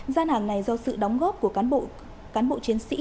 gian hàng này do sự đóng góp của cán bộ chiến sĩ